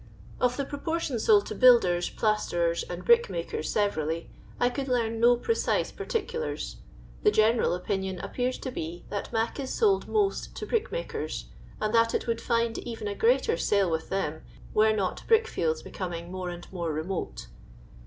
Of the proportion sold to builders, plasterers, and brickmakers, severally, I could learn no pre cise particulars. The general opinion appears to be, that " mac" is sold most to brickmakers, and that it would find even a greater sale with them, were not brick fields becoming more and more remote.